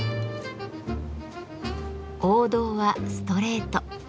王道は「ストレート」。